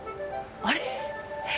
あれ？